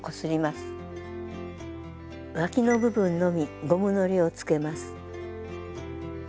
わきの部分のみゴムのりをつけます。